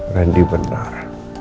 ren di benar